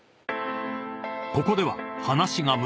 ［ここでは］